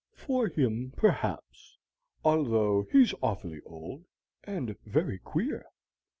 "For him, perhaps; although he's awfully old, and very queer.